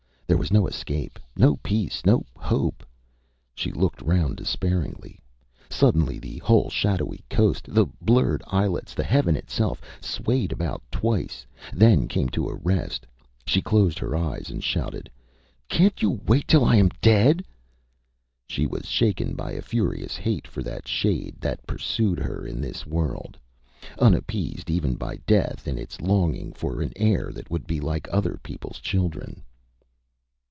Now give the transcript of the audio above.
There was no escape, no peace, no hope. She looked round despairingly. Suddenly the whole shadowy coast, the blurred islets, the heaven itself, swayed about twice, then came to a rest. She closed her eyes and shouted ÂCanÂt you wait till I am dead!Â She was shaken by a furious hate for that shade that pursued her in this world, unappeased even by death in its longing for an heir that would be like other peopleÂs children.